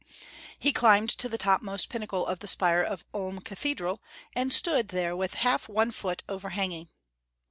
He climbed to the topmost pinnacle of the spire of Ulm Cathe dral, and stood there with half one foot overhanging.